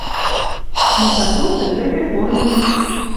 Но зато пӹл вӹкӹ корны виш».